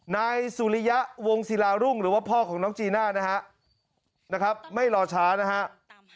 นายสุริยะวงศิลารุ่งหรือว่าพ่อของน้องจีน่านะฮะไม่รอช้านะครับ